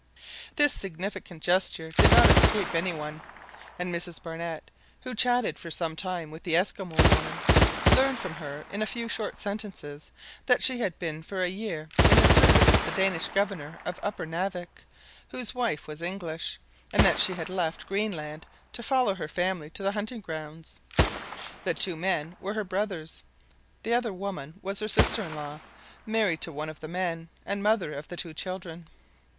This significant gesture did not escape any one, and Mrs Barnett, who chatted for some time with the Esquimaux woman, learned from her in a few short sentences that she had been for a year in the service of the Danish governor of Upper Navik, whose wife was English, and that she had left Greenland to follow her family to the hunting grounds. The two men were her brothers; the other woman was her sister in law, married to one of the men, and mother of the two children.